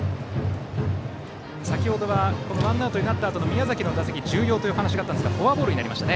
先程はワンアウトになったあとの宮崎の打席が重要という話がありましたがフォアボールになりました。